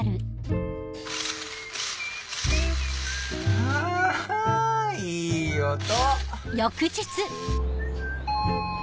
あぁいい音！